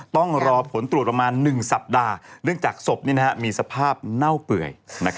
ต้องรอผลตรวจประมาณ๑สัปดาห์เนื่องจากศพมีสภาพเน่าเปื่อย